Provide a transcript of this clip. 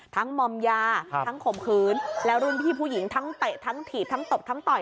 มอมยาทั้งข่มขืนแล้วรุ่นพี่ผู้หญิงทั้งเตะทั้งถีบทั้งตบทั้งต่อย